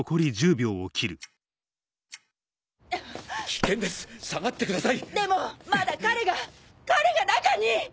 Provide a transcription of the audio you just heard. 危険です下がってください！でもまだ彼が彼が中に！